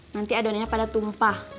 nanti adonannya pada tumpah